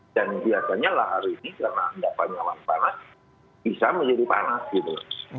dan biasanya lahar ini karena tidak banyak awan panas bisa menjadi panas gitu